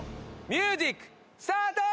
ミュージックスタート！